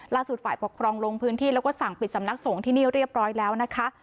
ฝ่ายปกครองลงพื้นที่แล้วก็สั่งปิดสำนักสงฆ์ที่นี่เรียบร้อยแล้วนะคะ